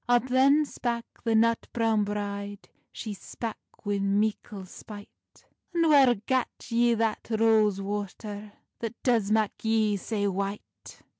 Up then spak the nut browne bride, She spak wi meikle spite: "And whair gat ye that rose water, That does mak yee sae white?"